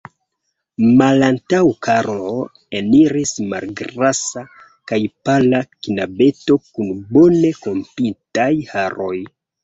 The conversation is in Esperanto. Malantaŭ Karlo eniris malgrasa kaj pala knabeto kun bone kombitaj haroj.